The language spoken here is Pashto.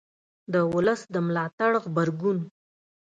د ولس د ملاتړ غبرګون